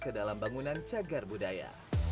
ke dalam bangunan cagar budaya